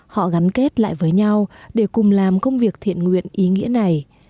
họ gắn kết lại với nhau để cùng làm công việc thiện nguyện ý nghĩa này